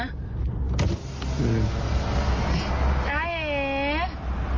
ได้เอง